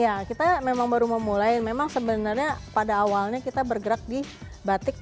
ya kita memang baru memulai memang sebenarnya pada awalnya kita bergerak di batik